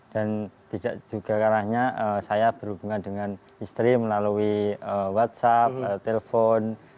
tidak juga karena saya berhubungan dengan istri melalui whatsapp telepon